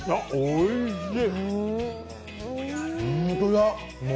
おいしい。